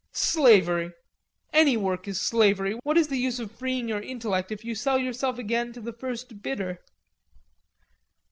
"Slavery. Any work is slavery. What is the use of freeing your intellect if you sell yourself again to the first bidder?"